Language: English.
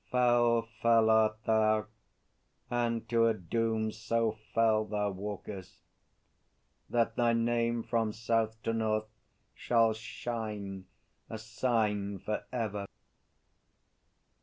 Fell, fell art thou; and to a doom so fell Thou walkest, that thy name from South to North Shall shine, a sign for ever!